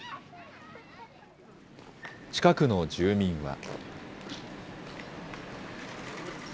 近くの住民は。